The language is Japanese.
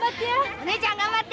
お姉ちゃん頑張って！